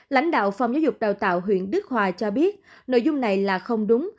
lãnh đạo phòng giáo dục đào tạo huyện đức hòa cho biết nội dung này là không đúng